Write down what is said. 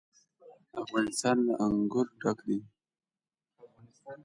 افغانستان له انګور ډک دی.